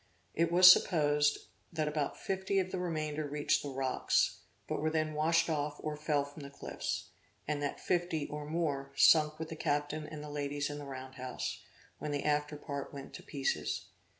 It was supposed that above fifty of the remainder reached the rocks, but were then washed off or fell from the cliffs; and that fifty, or more, sunk with the captain and the ladies in the round house, when the after part went to pieces.